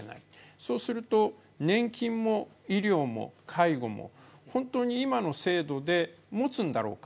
そうすると年金も医療も介護も本当に今の制度でもつんだろうか。